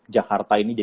jakarta ini jadi